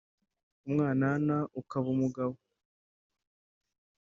umwanana ukaba umugabo